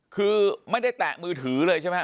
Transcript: คือไม่ได้แตะมือถือเลยใช่ไหม